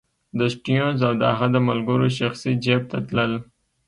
د سټیونز او د هغه د ملګرو شخصي جېب ته تلل.